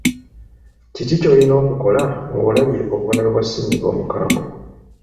Kiki ky’olina okukola ng’olabye obubonero bwa ssennyiga omukambwe?